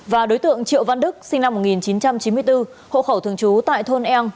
và đối tượng triệu văn đức sinh năm một nghìn chín trăm chín mươi bốn hộ khẩu thường trú tại thôn eng